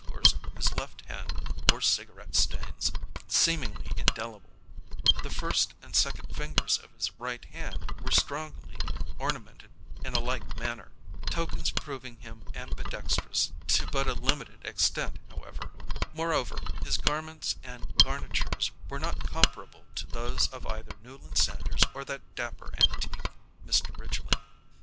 The inner areas of the first and second fingers of his left hand bore cigarette stains, seemingly indelible: the first and second fingers of his right hand were strongly ornamented in a like manner; tokens proving him ambidextrous to but a limited extent, however. Moreover, his garments and garnitures were not comparable to those of either Newland Sanders or that dapper antique, Mr. Ridgely.